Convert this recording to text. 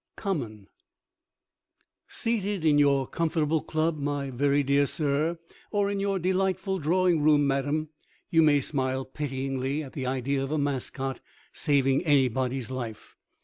COMMON Seated in your comfortable club, my very dear sir, or in your delightful drawing room, madam, you may smile pityingly at the idea of a mascot saving anybody's life.